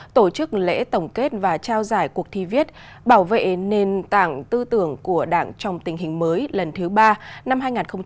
tổ chức lễ tổng kết và trao giải cuộc thi viết bảo vệ nền tảng tư tưởng của đảng trong tình hình mới lần thứ ba năm hai nghìn hai mươi ba hai nghìn hai mươi bốn